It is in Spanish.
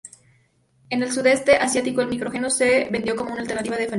En el sudeste asiático, el Micro Genius se vendió como una alternativa al Famicom.